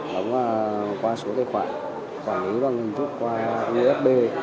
đóng qua số tài khoản khoản lý bằng hình thức qua ufb